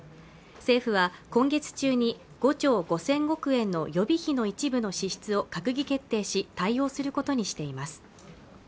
政府は今月中に５兆５０００億円の予備費の一部の支出を閣議決定し対応することにしています